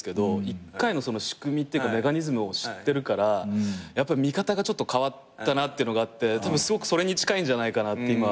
一回の仕組みというかメカニズムを知ってるから見方がちょっと変わったなってのがあってたぶんすごくそれに近いんじゃないかなって今。